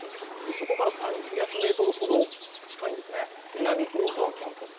そこから３００ｍほど、近いんですね、南大沢キャンパス